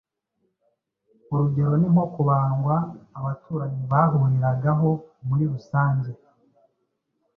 Urugero ni nko kubandwa abaturanyi bahuriragaho muri rusange